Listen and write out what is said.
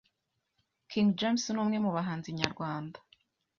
King James ni umwe mu bahanzi nyarwanda